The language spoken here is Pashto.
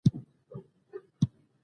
او د دۀ د نوم تر مېنځه فرق نۀ دی کړی